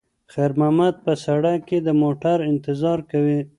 خیر محمد په سړک کې د موټرو انتظار کوي.